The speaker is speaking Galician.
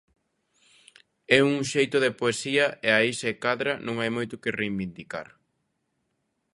É un xeito de poesía e aí se cadra non hai moito que reivindicar.